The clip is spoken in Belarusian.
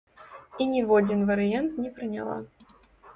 І ніводзін варыянт не прыняла.